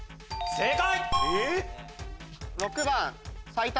正解！